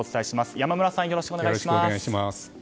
山村さん、よろしくお願いします。